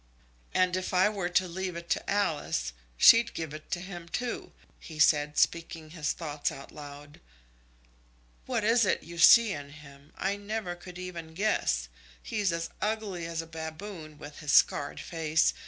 "And if I were to leave it to Alice, she'd give it to him too," he said, speaking his thoughts out loud. "What it is you see in him, I never could even guess. He's as ugly as a baboon, with his scarred face.